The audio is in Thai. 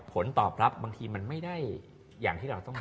ผลตอบรับบางทีมันไม่ได้อย่างที่เราต้องมี